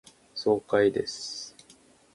爽快です。